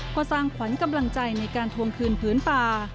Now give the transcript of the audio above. ก็สร้างขวัญกำลังใจในการทวงคืนพื้นป่า